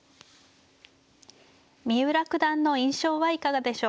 三浦九段の印象はいかがでしょうか。